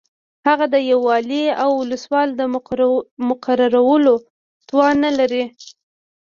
هغه د یو والي او ولسوال د مقررولو توان نه لري.